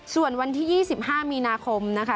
ส่วนวันที่๒๕มีนาคมนะคะ